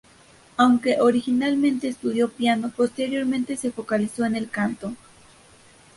Aunque originalmente estudió piano, posteriormente se focalizó en el canto.